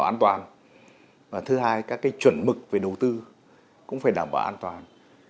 đảm bảo an toàn và thứ hai các chuẩn mực về đầu tư cũng phải đảm bảo an toàn